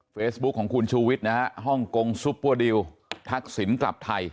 เฟซบุ๊คของคุณชูวิทย์นะฮะฮ่องกงซุปเปอร์ดิวทักษิณกลับไทย